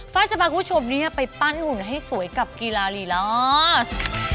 ไฟล์จะพาคุณผู้ชมไปปั้นหุ่นให้สวยกับกีฬารีลอส